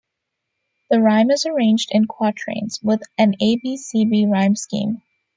The rhyme is arranged in quatrains, with an A-B-C-B rhyme scheme.